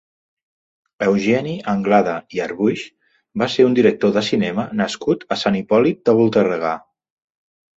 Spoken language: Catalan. Eugeni Anglada i Arboix va ser un director de cinema nascut a Sant Hipòlit de Voltregà.